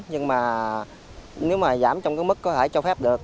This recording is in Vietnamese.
nhưng mà nếu mà giảm trong cái mức có thể cho phép được